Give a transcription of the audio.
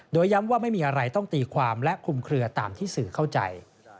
โดยย้ำว่าไม่มีอะไรต้องตีความและคลุมเคลือตามที่สื่อเข้าใจ